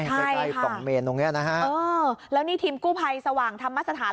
ใกล้ใกล้ปล่องเมนตรงเนี้ยนะฮะเออแล้วนี่ทีมกู้ภัยสว่างธรรมสถาน